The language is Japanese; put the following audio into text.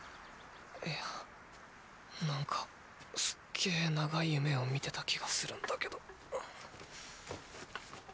いやなんかすっげ長い夢を見てた気がするんだけど。